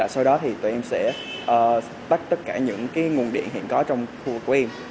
sau đó tụi em sẽ tắt tất cả những nguồn điện hiện có trong khu vực của em